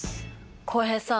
浩平さん。